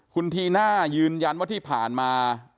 คุณธีน่ายืนยันว่าที่ผ่านมา